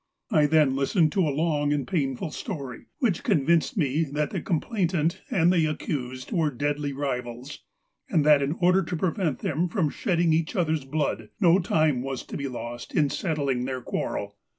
1 then listened to a long and painful story, which convinced me that the complainant and the accused were deadly rivals, and that in order to prevent them from shedding each other's blood, no time was to be lost in settling their quarrel.